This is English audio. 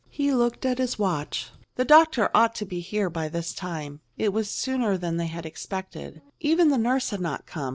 He looked at his watch. The doctor ought to be here by this time. It was sooner than they had expected. Even the nurse had not come.